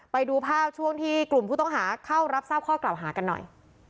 ไปดูภาพช่วงที่กลุ่มผู้ต้องหาเข้ารับทราบข้อกล่าวหากันหน่อย